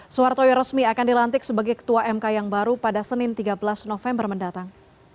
soehartoyo resmi akan dilantik sebagai ketua mk yang baru pada senin tiga belas november mendatang